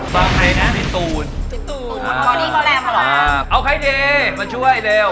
ฟังเพลงพี่ตูนพี่ตูนอ่าเอาใครดีมาช่วยเร็ว